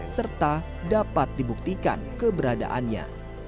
serta dapat dibuktikan keberadaannya